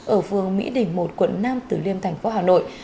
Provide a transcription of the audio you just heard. ở phường mỹ đỉnh một quận nam tử liêm thành phố hà nội